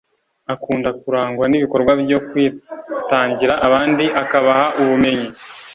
Akunda kurangwa n’ibikorwa byo kwitangira abandi akabaha ubumenyi